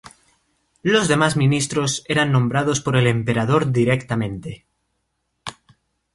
Los demás ministros eran nombrados por el Emperador directamente.